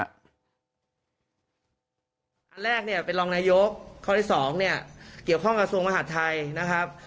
อันแรกเป็นรองนายกข้อที่สองเกี่ยวข้องกับสวงมหัสไทยนะครับ